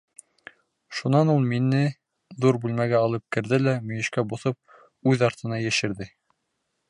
Шунан ул мине ҙур бүлмәгә алып керҙе лә, мөйөшкә боҫоп, үҙ артына йәшерҙе.